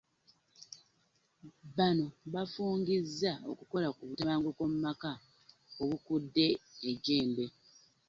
Bano bafungizza okukola ku butabanguko mu maka obukudde ejjembe.